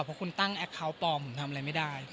เพราะคุณตั้งแอคเคาน์ปลอมผมทำอะไรไม่ได้